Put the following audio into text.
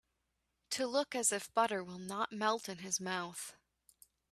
To look as if butter will not melt in his mouth.